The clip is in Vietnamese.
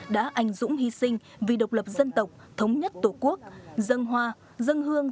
đã anh dũng hy sinh vì độc lập dân tộc thống nhất tổ quốc dân hoa dân hương